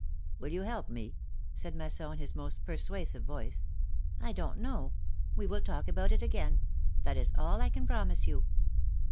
'' '^Will you help me?" said Masson, in his most per suasive voice. I don't know. We will talk about it again. That is all I can promise you."